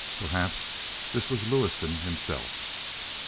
Perhaps this was Lewison himself.